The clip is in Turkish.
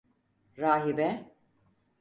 Rahibe…